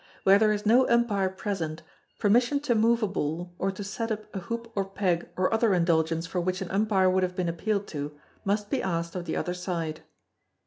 Where there is no umpire present, permission to move a ball, or to set up a hoop or peg or other indulgence for which an umpire would have been appealed to, must be asked of the other side.